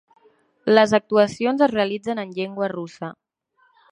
Les actuacions es realitzen en llengua russa.